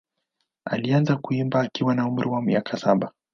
Alianza kuimba akiwa na umri wa miaka saba.